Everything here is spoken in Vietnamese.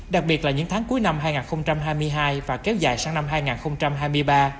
đặc biệt là những tháng cuối năm hai nghìn hai mươi hai và kéo dài sang năm hai nghìn hai mươi ba